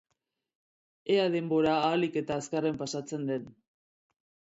Ea denbora ahalik eta azkarren pasatzen den.